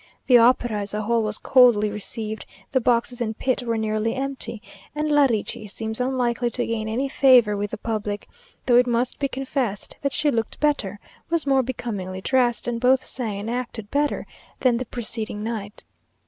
The opera as a whole was coldly received; the boxes and pit were nearly empty, and La Ricci seems unlikely to gain any favour with the public, though it must be confessed that she looked better, was more becomingly dressed, and both sang and acted better than the preceding night.